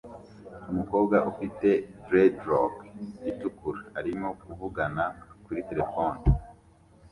Umukobwa ufite dreadlock itukura arimo kuvugana kuri terefone